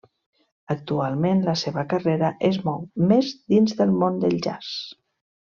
Actualment la seva carrera es mou més dins del món del jazz.